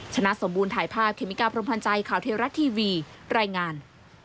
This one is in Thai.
ชนะสมบูรณถ่ายภาพเคมิกาพรมพันธ์ใจข่าวเทวรัฐทีวีรายงาน